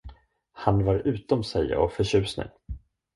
Han var utom sig av förtjusning.